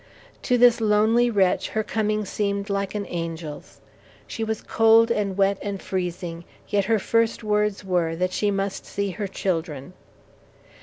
To this lonely wretch her coming seemed like an angel's. She was cold and wet and freezing, yet her first words were, that she must see her children.